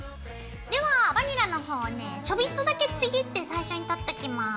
ではバニラの方をねちょびっとだけちぎって最初にとっておきます。